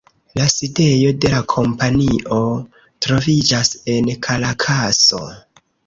La sidejo de la kompanio troviĝas en Karakaso.